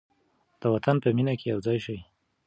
د وطن په مینه کې یو ځای شئ.